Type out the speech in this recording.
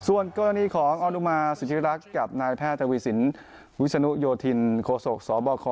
ส่วนกรณีของออนุมาสุธิรักษ์กับนายแพทย์ทวีสินวิศนุโยธินโคศกสบค